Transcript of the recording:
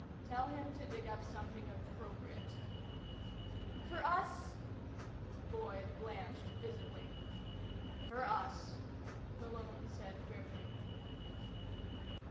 Tell him to dig up something appropriate." "For us?" Boyd blanched visibly. "For us," Malone said grimly.